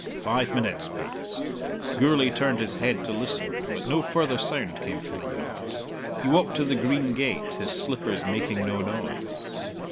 Five minutes passed. Gourlay turned his head to listen, but no further sound came from the yard. He walked to the green gate, his slippers making no noise.